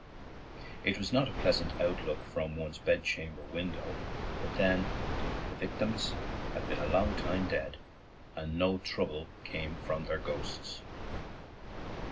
It was not a pleasant outlook from one's bedchamber window, but then the victims had been a long time dead, and no trouble came from their ghosts.